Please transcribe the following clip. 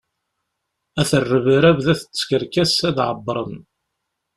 At rrebrab d at tkerkas ad ɛebbṛen.